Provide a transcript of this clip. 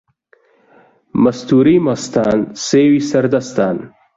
مەستوورەی مەستان سێوی سەر دەستان